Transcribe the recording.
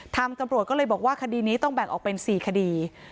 ตำรวจก็เลยบอกว่าคดีนี้ต้องแบ่งออกเป็น๔คดี